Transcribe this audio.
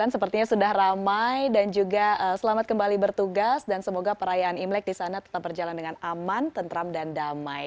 sepertinya sudah ramai dan juga selamat kembali bertugas dan semoga perayaan imlek di sana tetap berjalan dengan aman tentram dan damai